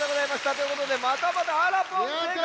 ということでまたまたあらぽんせいかい！